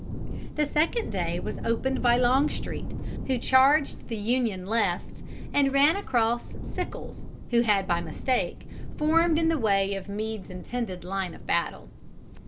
The second day was opened by Longstreet, who charged the Union left, and ran across Sickles, who had by mistake formed in the way of Meade's intended line of battle.